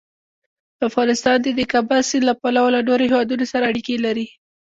افغانستان د د کابل سیند له پلوه له نورو هېوادونو سره اړیکې لري.